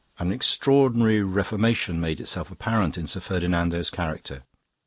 An extraordinary reformation made itself apparent in Sir Ferdinando's character.